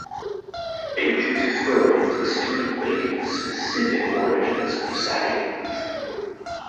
Ancient historians were still debating the specific origins of the Sabines.